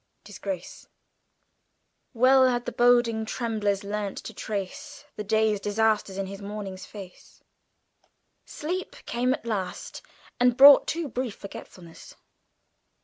Disgrace "Well had the boding tremblers learned to trace The day's disasters in his morning's face." Sleep came at last, and brought too brief forgetfulness.